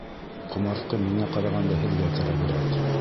Ҡомартҡы миңә ҡарағанда һеҙгә кәрәгерәк.